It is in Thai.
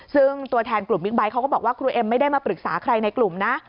ซึ่งตัวแทนกลุ่มบิ๊กไบท์เขาก็บอกว่าครูเอ็มไม่ได้มาปรึกษาใครในกลุ่มนะ